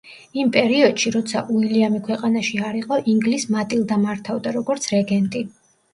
იმ პერიოდში, როცა უილიამი ქვეყანაში არ იყო, ინგლისს მატილდა მართავდა, როგორც რეგენტი.